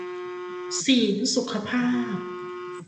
ศีลสุขภาพ